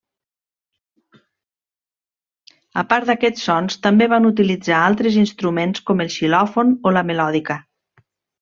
A part d'aquests sons també van utilitzar altres instruments com el xilòfon o la melòdica.